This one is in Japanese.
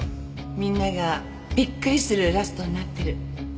みんながビックリするラストになってる。